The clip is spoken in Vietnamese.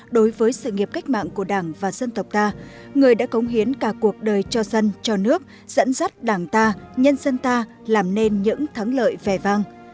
đối với sự nghiệp cách mạng của đảng và dân tộc ta người đã cống hiến cả cuộc đời cho dân cho nước dẫn dắt đảng ta nhân dân ta làm nên những thắng lợi vẻ vang